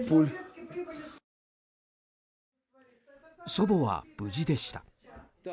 祖母は無事でした。